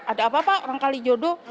ada apa apa orang kali jodoh